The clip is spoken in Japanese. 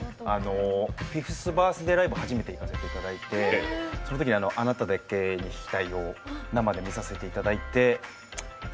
フィフスバースデーライブに初めて行かせていただいてそのとき生で見させていただいて。